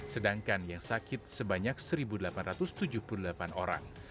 sedangkan yang sakit sebanyak satu delapan ratus tujuh puluh delapan orang